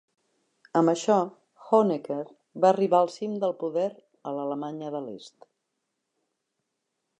Amb això, Honecker va arribar al cim del poder a l'Alemanya de l'Est.